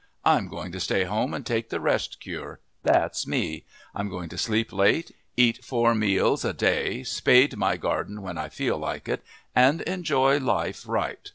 I'm going to stay home and take the rest cure that's me! I'm going to sleep late, eat four meals a day, spade my garden when I feel like it and enjoy life right.